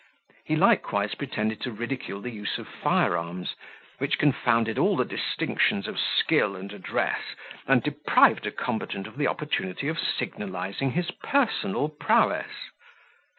He likewise pretended to ridicule the use of firearms, which confounded all the distinctions of skill and address, and deprived a combatant of the opportunity of signalizing his personal prowess.